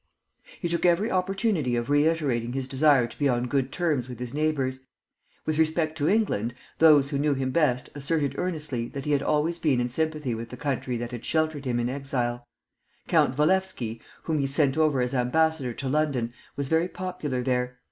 He took every opportunity of reiterating his desire to be on good terms with his neighbors. With respect to England, those who knew him best asserted earnestly that he had always been in sympathy with the country that had sheltered him in exile. Count Walewski, whom he sent over as ambassador to London, was very popular there.